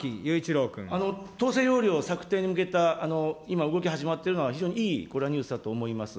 統制要領策定に向けた今、動き、始まっているのは非常にいい、これはニュースだと思います。